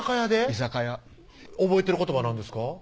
居酒屋覚えてる言葉何ですか？